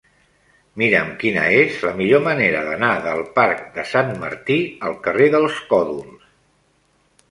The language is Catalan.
Mira'm quina és la millor manera d'anar del parc de Sant Martí al carrer dels Còdols.